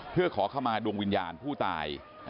เพื่อขอเข้ามาดวงวิญญาณผู้ตาย